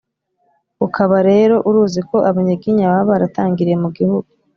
ukaba rero uruzi ko abanyiginya baba baratangiriye mu gihugu